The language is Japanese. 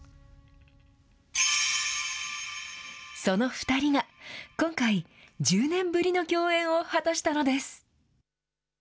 その２人が、今回、１０年ぶりの共演を果たしたのです。